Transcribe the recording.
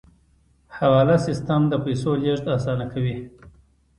حواله سیستم د پیسو لیږد اسانه کوي